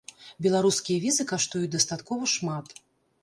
Беларускія візы каштуюць дастаткова шмат.